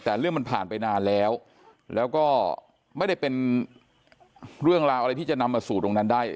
แต่เรื่องมันผ่านไปนานแล้วแล้วก็ไม่ได้เป็นเรื่องราวอะไรที่จะนำมาสู่ตรงนั้นได้